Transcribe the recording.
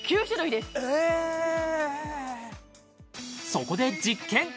そこで実験！